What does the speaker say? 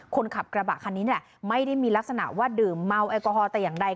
คนขับกระบะคันนี้แหละไม่ได้มีลักษณะว่าดื่มเมาแอลกอฮอล์แต่อย่างใด